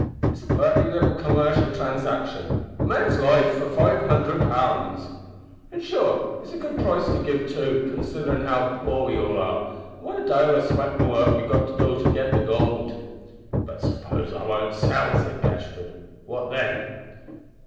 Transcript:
It's a purty little commercial transaction a man's life for five hundred pound; an', sure it's a good price to give too, consitherin' how poor we all are, an what a dale o' sweatin' work we've got to do to git the goold." "But suppose I won't sell," said Gashford, "what then?"